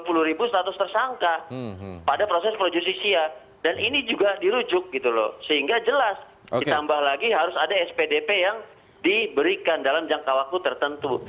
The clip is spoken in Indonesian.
nah mahkamah konstitusi juga mengajukan bahwa untuk mengajukan empat belas persangka pada proses pro justisia dan ini juga dirujuk gitu loh sehingga jelas ditambah lagi harus ada spdp yang diberikan dalam jangka waktu tertentu